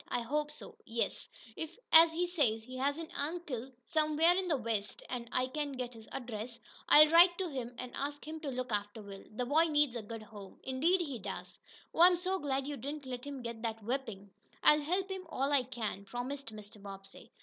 "I hope so, yes. If, as he says, he has an uncle somewhere in the West, and I can get his address, I'll write to him, and ask him to look after Will. The boy needs a good home." "Indeed he does. Oh, I'm so glad you didn't let him get that whipping!" "I'll help him all I can," promised Mr. Bobbsey.